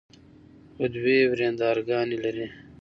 خو دوې ورندرګانې لري.